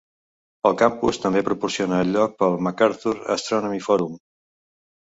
El campus també proporciona el lloc pel Macarthur Astronomy Forum.